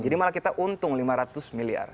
jadi malah kita untung lima ratus miliar